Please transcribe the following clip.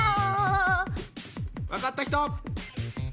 分かった人！